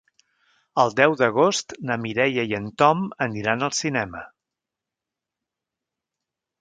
El deu d'agost na Mireia i en Tom aniran al cinema.